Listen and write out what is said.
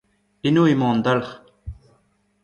Eno emañ an dalc'h.